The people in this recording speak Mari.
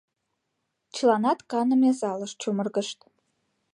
Чыланат каныме «залыш» чумыргышт.